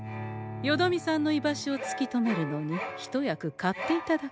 よどみさんの居場所をつき止めるのに一役買っていただくでござんす。